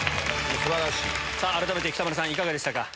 改めて北村さんいかがでしたか？